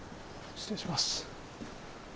失礼します。